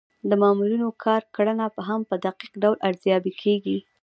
د مامورینو کارکړنه هم په دقیق ډول ارزیابي کیږي.